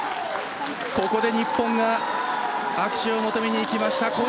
ここで日本が握手を求めにいきました。